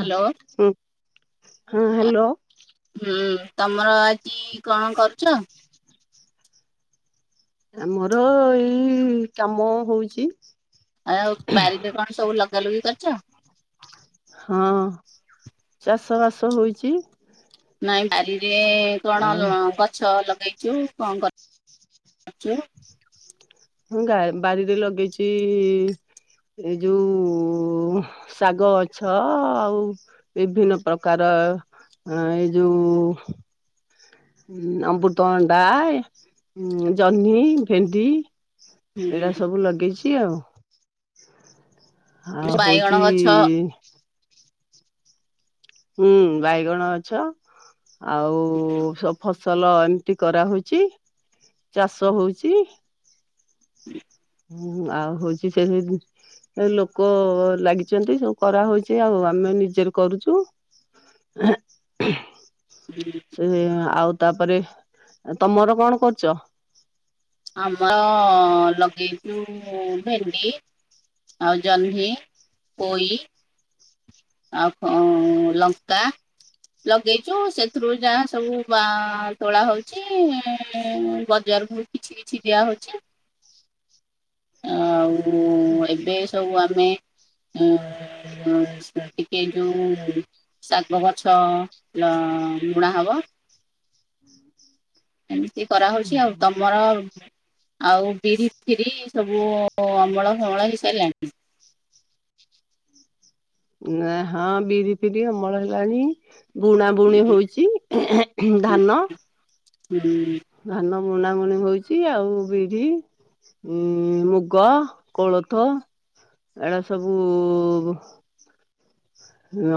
Hello ହଁ hello. ହୁଁ ତମର ଆଜି କଣ କରୁଚ? ଆମର ଏଇ କାମ ହୋଉଚି। ଆ ଆଉ ବାରିରେ କଣ ସବୁ ଲଗାଲୁଗି କରିଚ? ହଁ ଚାଷ ବାସ ହୋଇଚି। ନାଇଁ ବାରିରେ କଣ ଆଉ ଗଛ ଲଗେଇ ଚୁ କଣ କରି ଚୁ? ମୁଁ ଗା ବାଡିରେ ଲଗେଇଚି। ଏ ଯୋଉ ଶାଗ ଗଛ ଆଉ ବିଭିନ୍ନ ପ୍ରକାର ଏଇ ଯୋଉ ଅମୃତ ଅଣ୍ଡା ଜହ୍ନି ଭେଣ୍ଡି। ଏଇଡା ହୁଁ ସବୁ ଲଗେଇଚି ଆଉ। ଆଁ ବାଇଗଣ ହୋଉଚି ଗଛ ହୁଁ ବାଇଗଣ ଗଛ ଆଉ ସବବୁ ଫସଲ ଏମିତି କରାହୋଉଚି ଚାଷ ହୋଉଚି। ହଁ। ହୁଁ ଆଉ ହଉଚି ସେମିତି ଏ ଲୋକ ଲାଗିଚନ୍ତି ସବୁ କରାହୋଉଚି ଆଉ ଆମେ ନିଜେରେ କରୁଚୁ। ଏ ହୁଁ ସେ ଆଉ ତାପରେ ତମର କଣ କରୁଚ? ଆମର ଲଗେଇଚୁ ଭେଣ୍ଡି। ଆଉ ଜହ୍ନି ପୋଇ ଆଉ ଲଙ୍କା। ଲଗେଇଚୁ ସେଥିରୁ ଯାହା ସବୁ ବା ତୋଳା ହଉଚି ବଜାର କୁ ବି କିଛି କିଛି ଦିଆ ହଉଚି। ଆଉ ଏବେ ସବୁ ଆମେ ଅ ଟିକେ ଯୋଉ ସାଗ ଗଛ ବୁଣା ହବ। ହୁଁ ଏମିତି କରାହଉଚି ଆଉ ତମର ଆଉ ବିରି ଫିରି ସବୁ ଅମଳ ଫମଳ ହେଇସାରିଲାଣି। ନ ହଁ ବିରି ଫିରି ଅମଳ ହେଲାଣିି ବୁଣା ବୁଣି ହଉଚି ଧାନ। ହୁଁ। ଧାନ ବୁଣା ବୁଣି ହଉଚି ଆଉ ବିରି ଉଁ ମୁଗ କୋଳଥ ଏଡା ସବୁ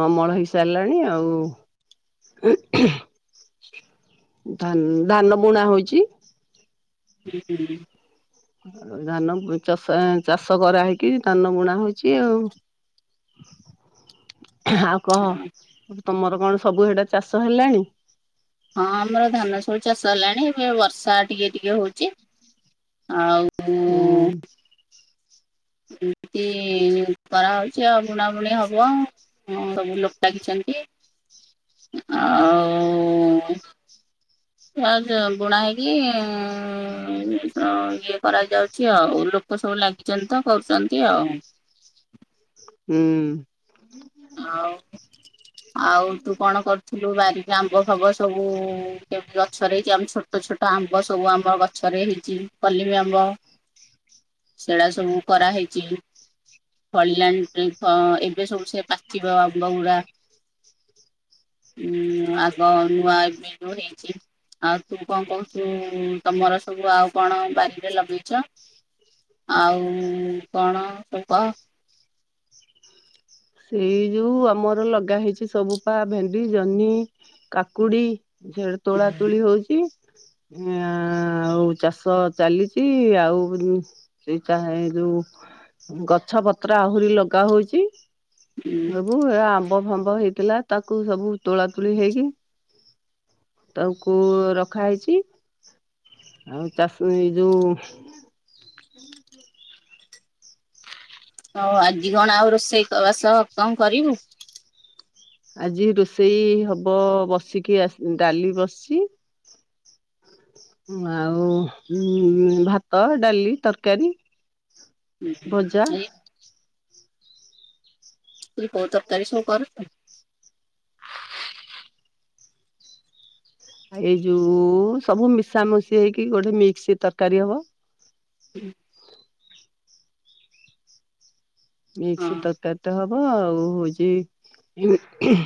ଅମଳ ହେଇସାରିଲାଣି ଆଉ ସେ ଧାନ ଧାନ ବୁଣା ହଉଚି। ହୁଁ ହୁଁ। ଆଉ ଧାନଷ ଚାଷ କରାହେଇକି ଧାନ ବୁଣା ହଉଚି ଆଉ। ଆଉ କହ ତମର କଣ ସବୁ ଏଟା ଚାଷ ହେଲାଣି? ହଁ ଆମର ଧାନ ସବୁ ଚାଷ ହେଲାଣି ଏବେ ବର୍ଷା ଟିକେ ଟିକେ ହଉଚି ଆଉ ହୁଁ। ଏମତି କରାହେଉଚି ଆଉ ବୁଣାବୁଣି ହବ। ହଁ ସବୁ ଲୋକ ଲାଗିଚନ୍ତି ଆଉ ହ ଆ ବୁଣା ହେଇକି ଇଏ କରାଯାଉଛି ଆଉ ଲୋ କ ସବୁ ଲାଗିଚନ୍ତି ତ କରୁଚନ୍ତି ଆଉ। ହୁଁ। ଆଉ ଆଉ ତୁ କଣ କରୁ ଥିଲୁ ବାରିକରେ ଆମ୍ବ ଫବ ସବୁ କେମିତି ଗଛରେହିଛି ଆମ ଛୋଟ ଛୋଟ ଆମ୍ବ ସବୁ ଆମବ ଗଛ ଗଛରେ ହେଇଚି କଲିମ ଆମ୍ବ ସେଡା ସବୁ କରାହେଇଚି। ଫଳିଲାଣି ଏବେ ସବୁ ସେ ପାଚିବ ଆମ୍ବ ଗୁଡା। ହୁଁ ଆଗ ନୂଆ ଏବେ ହେଇଚି ଆଉ ତୁ କଣ କହୁଚୁ ତମର ସବୁ ଆଉ କଣ ବାରିରେ ଲଗେଇଚ? ଆଉ କଣ ତୁ କହ। ସେଇ ଯୋଉ ଆମର ଲଗା ହେଇଚି ସବୁ ପା ଭେଣ୍ଡି ଜହ୍ନି କାକୁଡି ସେ ତୋଳା ତୁଳି ହଉଚି ଆ ଆଉ ଚାଷ ଚାଲିଚି ଆଉ ସେ ଚା ଏ ଯୋଉ ଗଛ ପତ୍ର ଆହୁରି ଲଗାହଉଚି। ସବୁ ଏ ଆମ୍ବ ଫାମ୍ବ ହେଇଥିଲା। ତାକୁ ସବୁ ତୋଳା ତୋଳି ହେଇକି ତାଙ୍କୁ ରଖା ହେଇଛି। ଆଉ ଚାଷ ଏ ଯଉ ହଉ ଆଜି କଣ ଆଉ ରୋଷେଇବାସ କଣ କରିବୁ? ଆଜି ରୋଷେଇ ହବ ବସିକି ଆ ଡାଲି ବସିଛି। ଆଉ ଭାତ, ଡାଲି, ତରକାରୀ। ହୁଁ ହଁଁ ଭଜା ଆ [unintelligible] ମୁଁ କହିଲି କୋଉ ତରକାରୀ ସବୁ କରୁଚୁ? ଏଇ ଯୋଉ ସବୁ ମିଶାମିଶି ହେଇକି ଗୋଟେ ମିକ୍ସ ତରକାରୀ ହବ। ହୁଁ [unintelligible] ମିକ୍ସ ତରକାରୀ ଟେ ହବ। ଆଉ ହଉଛି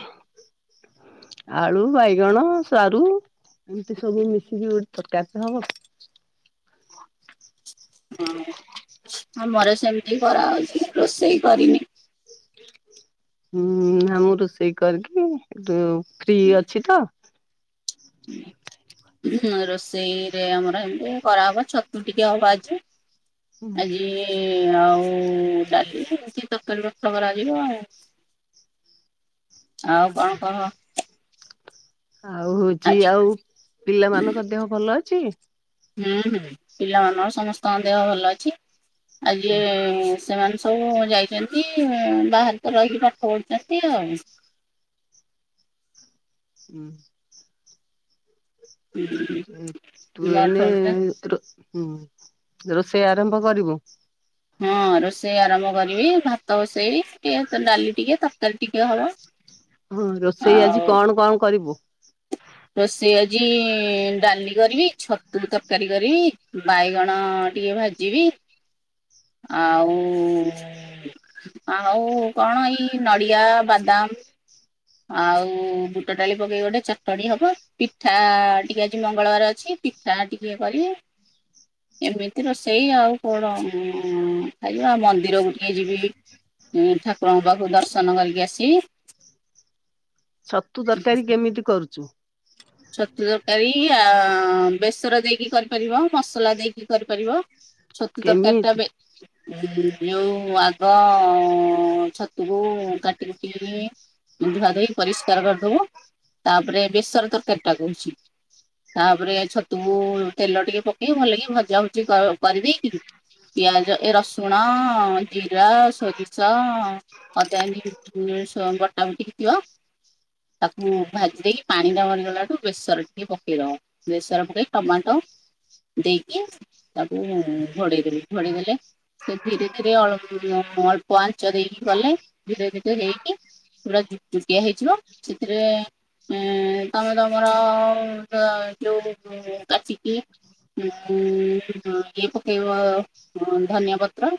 ଆଳୁ, ବାଇଗଣ, ସାରୁ। ଏମିତି ସବୁ ମିଶିକି ଗୋଟେ ତରକାରୀ ଟେ ହବ। ହଁ। ଆମର ସେମିତି କରା ହଉଛି ରୋଷେଇ କରିନି। ହୁଁ, ନା ମୁଁ ରୋଷେଇ କରିକି ଏ ଫ୍ରି ଅଛି ତ। ରୋଷେଇ ରେ ଆମର ଏମିତି କରାହବ। ଛତୁ ଟିକେ ହବ ଆଜି। ଆଜି ଆଉ ଡାଲି କେମିତି ତରକାରୀ [unintelligible] ରଥ କରାଯିବ ଆଉ ଆଉ କଣ କହ? ଆଉ ହଉଛି ଆଜି ଆଉ ପିଲାମାନଙ୍କ ଦେହ ଭଲ ଅଛି? ହୁଁ, ହୁଁ, ପିଲାମାନଙ୍କ ସମସ୍ତଙ୍କ ଦେହ ଭଲ ଅଛି। ଆଜି ସେମାନେ ସବୁ ଯାଇଛନ୍ତି। ବାହାରେ ତ ରହିକି ପାଠ ପଢୁଛନ୍ତି ଆଉ। ହୁଁ [unintelligible] ଆଉ। ତୁ ଏଇନେ ଗାଧଉଛନ୍ତି ରୋ ରୋଷେଇ ଆରମ୍ଭ କରିବୁ? ହଁ ରୋଷେଇ ଆରମ୍ଭ କରିବି। ଭାତ ବସେଇବି, ଡାଲି ଟିକେ, ତରକାରୀ ଟିକେ ହବ। ହଁ। ରୋଷେଇ ଆଉ ଆଜି କଣ କଣ କରିବୁ? ରୋଷେଇ ଆଜି ଡାଲି କରିବି, ଛତୁ ତରକାରୀ କରିବି, ବାଇଗଣ ଟିକେ ଭାଜିବି, ଆଉ ଆଉ କଣ ଏଇ ନଡ଼ିଆ, ବାଦାମ ଆଉ ବୁଟ ଡାଲି ପକେଇକି ଗୋଟେ ଚଟଣି ହବ। ପିଠା ଟିକେ ଆଜି ମଙ୍ଗଳବାର ଅଛି। ପି ଠା ଟିକେ କରିବି। ଏମିତି ରୋସେଇ ଆଉ କଣ। ଆଜିବା ମନ୍ଦିରକୁ ଟିକେ ଯିବି। ଠାକୁରଙ୍କ ପାଖରୁ ଦର୍ଶନ କରିକି ଆସିବି। ଛତୁ ତରକାରୀ କେମିତି କରୁଚୁ? ଛତୁ ତରକାରୀ ଆ ବେସର ଦେଇକି କରିପାରିବ, ମସଲା ଦେଇକି କରିପାରିବ। ଛତୁ ତରକାରୀ ଟା କେମିତି ବେ ଯୋଉ ଆଗ ଛତୁକୁ କାଟି କୁଟି ଧୁଆ ଧୁଇ ପରିଷ୍କାର କରିଦବୁ। ତାପରେ ବେସର ତରକାରୀ ଟା କହୁଛି? ତାପରେ ଛତୁକୁ ତେଲ ଟିକେ ପକେଇକି ଭଲ କି ଭଜା ଭୁଜି କରିିଦେଇକି ପିଆଜ ଏ ରସୁଣ, ଜିରା, ସୋରିଷ ହଦ [unintelligible] ବଟା ବୁଟିକି ଯିବ ତାକୁ ଭାଜି ଦେଇକି। ପାଣି ଟା ମରିଗଲା ଠୁ ବେସର ଟିକେ ପକେଇ ଦବ। ବେସର ପକେଇ ଟମାଟୋ ଦେଇକି ତାକୁ ଘୋଡେଇଦେବେ, ଘୋଡେଇ ଦେଲେ ସେ ଧୀରେ ଧୀରେ ଅଳ ଅଳ୍ପ ଆଞ୍ଚ ଦେଇକି କଲେ। ଧୀରେ ଧୀରେ ହେଇକି ପୁରା ଯୁଟିଆ ହେଇଥିବ ସେଥିରେଏ ତମେ ତମର ଯୋଉ କାଚିକି ଉ ଇଏ ପକେଇବ ଧନିଆ ପତ୍ର,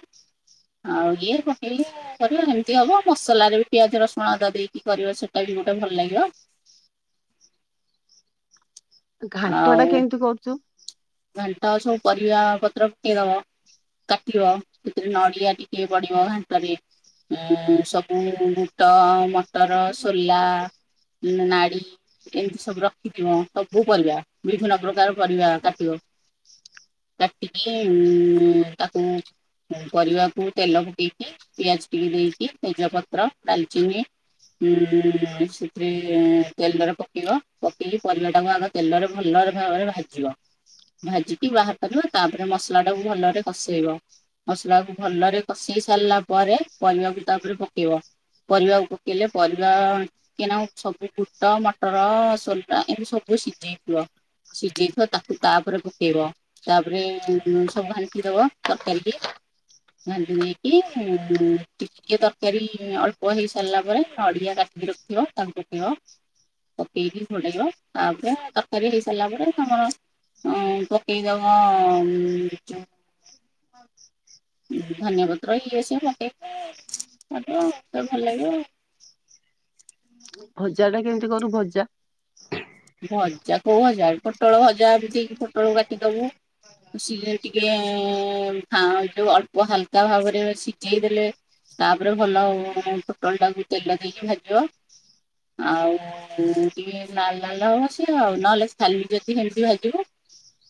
ଆଉ ଇଏ ପକେଇବ। କରିବ ଏମିତି ହବ ମସଲାରେ ବି ପିଆଜ ରସୁଣ ଅଦା ଦେଇକି କରିବ ସେଇଟା ବି ଗୋଟେ ଭଲ ଲାଗିବ। ଘାଣ୍ଟ ଟା କେମିତି କରୁଛୁ? ଘଣ୍ଟା ସବୁ ପରିବା ପତ୍ର ପକେଇଦବ, କାଟିବ ସେଥିରେ ନଡ଼ିଆ ଟିକେ ପଢିବ ଘାଣ୍ଟରେ। ଉଁ ସବୁ ବୁଟ, ମଟର, ସୋଲା, ଉଁ ନାଡ଼ି ଏମିତି ସବୁ ରଖିଥିବ ସବୁ ପରିବା ବିଭିନ୍ନ ପ୍ରକାର ପରିବା କାଟିବ। କାଟିକି ଉଁ ତାକୁ ପରିବାକୁ ତେଲ ଫୁଟେଇକି ପିଆଜ ଟିକେ ଦେଇକି ତେଜ ପତ୍ର ଡାଲଚିନି ଉଁ ସେଥିରେ ତେଲରେ ପକେଇବ ପକେଇକି ପରିବା ଟାକୁ ଆଗ ତେଲରେ ଭଲ ଭାବରେ ଭାଜିବ। ଭାଜିିକ ବାହାର କରିବ, ତାପରେ ମସଲା ଟାକୁ ଭଲରେ କଷେଇବ। ମସଲା କୁ ଭଲରେ କଷେଇି ସାରିଲା ପରେ ପରିବାକୁ ତାପରେ ପକେଇବ। ପରିବାକୁ ପକେଇଲେ ପରିବା କେନା ସବୁ ବୁଟ, ମଟର, ସୋଲା ଏମତି ସବୁ ସିଝେଇଥିବ। ସିଝଇଥବ ତାକୁ ତାପରେ ପ ପକେଇବ ତାପରେ ସବୁ ଘଣ୍ଟି ଦବ ତରକାରୀ କି। ଘାଣ୍ଟି ଦେଇକି ଟିକେ ତରକାରୀ ଅଳ୍ପ ହେଇ ସାରିଲା ପରେ ନଡିଆ କାଟିକି ରଖ ଥିବ ତାକୁ ପକେଇବ। ପକେଇକି ଘଡେଇବ ତାପରେ ତରକାରୀ ହେଇସାରିଲା ପରେ ତମର ଅଁ ପକେଇଦବ ଅଁ ଯୋ ଧନିଆ ପତ୍ର ଇଏ ସିଏ ପକେଇବ ଭଲ ଲାଗିବ ଆଉ ଭଜା ଟା କେମିତି କରୁ ଭଜା? ଭଜା କୋଉ ଭଜା ପୋଟଳ ଭଜା ଏମତି ପୋଟଳକୁ କାଟିଦବୁ ସିଏ ଟିକେ ଆଁ ଯୋଉ ଅଳ୍ପ ହାଲକା ଭାବରେ ସିଝେଇ ଦେଲେ ତାପରେ ଭଲ ଫୁଟଣ ଟାକୁ ତେଲ ଦେଇକି ଭାଜିବ। ଆଉ ଟିକେ ନାଲ ଡାଲ ବସିବ ନହେଲେ ଖାଲିି ଯଦି ସେମିତି ଭାଜିବ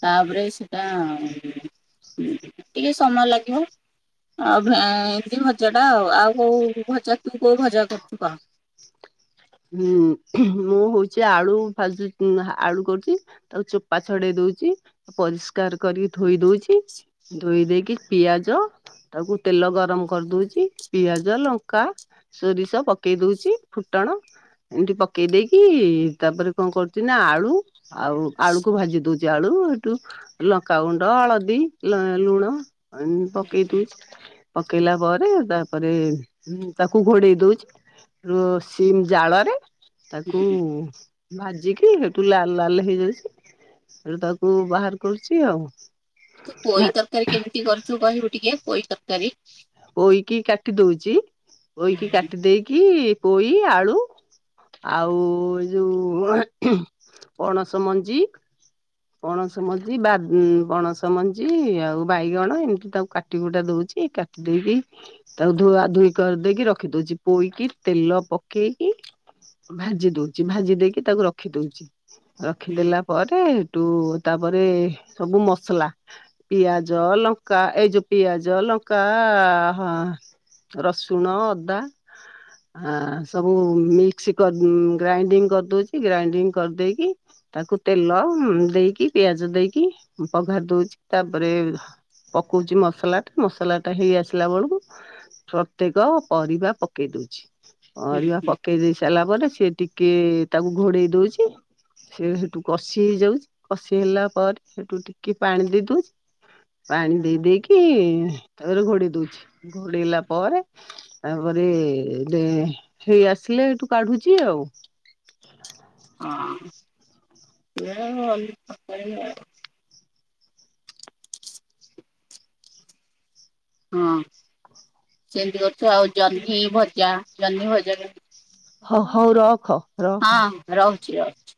ତାପରେ ସେଟା ଟିକେ ସମୟ ଲାଗିବ। ଆଉ ଏମ ଭଜା ଟା ଆଉ ଆଉ କୋଉ ଭଜା ତୁ କୋଉ ଭଜା କରୁଛୁ କଅ? ହୁଁ ମୁଁ ହଉଛି ଆଳୁ ଫାଜୁ ଆଳୁ କରୁଛି ତାକୁ ଚୋପା ଛଡେଇ ଦଉଛି- ପରିଷ୍କାର କରିକି ଧୋଇ ଦଉଛି ଧୋଇ ଦେଇକି ପିଆଜ ତାକୁ ତେଲ ଗରମ କରିଦଉଛି ପିଆଜ, ଲଙ୍କା ସୋରିଷ ପକେଇ ଦଉଛି ଫୁଟଣ ଏମତି ପକେଇ ଦେଇ କି ତାପରେ କଣ କରୁଛି ନା ଆଳୁ ଆଉ ଆଳୁକୁ ଭାଜି ଦଉଛି ଆଳୁ ଏଇଠୁ- ଲଙ୍କାଗୁଣ୍ଡ, ହଳଦୀ, ଲୁଣ ପକେଇ ଦଉଛି। ପକେଇଲା ପରେ ତାପରେ ତାକୁ ଘୋଡେଇ ଦଉଛି ର ସିମ ଜାଳରେ ତାକୁ ଭାଜିକି ସେଠୁ ଲାଲ ଲାଲ ହେଇଯାଉଛି ସେଠୁ ତାକୁ ବାହାର କରୁଛି ଆଉ। ପୋଇ ତରକାରୀ କେମିତି କରୁଛୁ କହିବୁ ଟିକେ ପୋଇ ତରକାରୀ? ପୋଇକି କାଟି ଦଉଛି। ହୁଁ ପୋଇକି କାଟି ଦେଇେକି ପୋଇ, ଆଳୁ ଆଉ ଯୋଉ ପଣସ ମଞ୍ଜି ପଣସ ମଞ୍ଜି ବା ପଣସ ମଞ୍ଜି ଆଉ ବାଇଗଣ ଏମିତି ତାକୁ କାଟି କୁଟା ଦଉଛି [unintelligible] ତାକୁ ଧୁଆ ଧୁଇ କରିଦେଇକି ରଖି ଦଉଛି। ପୋଇକି ତେଲ ପକେଇକି ଭାଜି ଦଉଛି ଭାଜି ଦେଇକି ତାକୁ ରଖି ଦଉଛି। ହୁଁ ରଖିଦେଲା ପରେ ତାପରେ ସବୁ ମସଲା ପିଆଜ ଲଙ୍କା ଏଇ ଯୋଉ ପିଆଜ ଲଙ୍କା ହଁ ରସୁଣ, ଅଦା ହଁ ସବୁ ମିକ୍ସ କ ଗ୍ରାଇଣ୍ଡିଙ୍ଗ କରିଦଉଛି। ଗ୍ରାଇଣ୍ଡିଙ୍ଗ କରିଦେଇକି ତାକୁ ତେଲ ଦେଇକି, ପିଆଜ ଦେଇକି ପଘାରି ଦଉଛି। ତାପରେ ପକଉଛି ମସଲା ଟା। ମସଲା ଟା ହେଇ ଆସିଲା ବେଳକୁ ପ୍ରତ୍ୟେକ ପରିବା ପକେଇ ଦଉଛି। ହୁଁ ପରିବା ପକେଇ ଦେଇ ସାରିଲା ପରେ ସିଏ ଟିକେ ଟିକେ ତାକୁ ଘୋଡେଇ ଦଉଛି। ସେ ସେଠୁ କଷି ହେଇଯାଉ କଷି ହେଲା ପରେ ସେଠୁ ଟିକେ ପାଣି ଦେଇଦୋଉ ପାଣି ଦେଇ ଦେଇକି ତାରେ ଘୋଡେଇ ଦଉଛି। ଘୋଡେଇଲା ପରେ ତାପରେ ହେଇ ଆସିଲେ ସେଠୁ କାଢୁଛି ଆଉ ହଁ [unintelligible] ହଁ ସେମିତି କରୁଛୁ ଆଉ ଜହ୍ନି ଭଜା। ଜହ୍ନି ଭଜା କେମିତି? ହ ହଉ ରଖ। ରଖ। ହଁ ରହୁଛି ରହୁଛି।